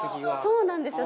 そうなんですよ。